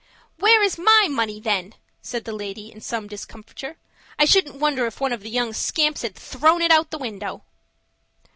"Where is my money, then?" said the lady, in some discomfiture. "I shouldn't wonder if one of the young scamps had thrown it out of the window."